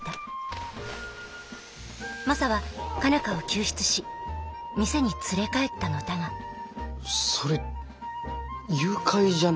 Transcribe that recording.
マサは佳奈花を救出し店に連れ帰ったのだがそれ誘拐じゃね？